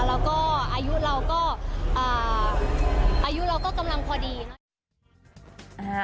แล้วก็อายุเราก็กำลังพอดี